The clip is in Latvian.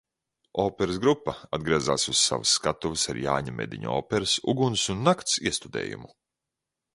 "Operas trupa atgriezās uz savas skatuves ar Jāņa Mediņa operas "Uguns un nakts" iestudējumu."